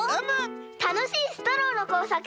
たのしいストローのこうさくができたら。